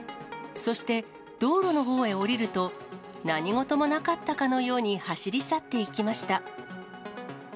そして、道路のほうへ下りると、何事もなかったかのように走り去っていきました。